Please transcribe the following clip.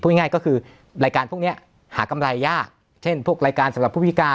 ง่ายก็คือรายการพวกนี้หากำไรยากเช่นพวกรายการสำหรับผู้พิการ